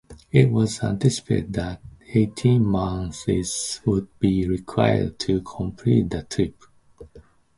It was anticipated that eighteen months would be required to complete the trip.